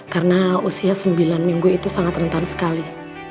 karena usia sembilan minggu itu sangat rentan sekali